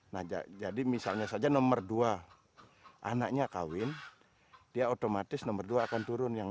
nah jadi misalnya saja nomor dua anaknya kawin dia otomatis nomor dua akan turun